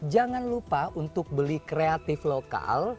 jangan lupa untuk beli kreatif lokal